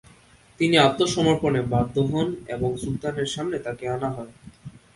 তিনি আত্মসমর্পণে বাধ্য হন এবং সুলতানের সামনে তাকে আনা হয়।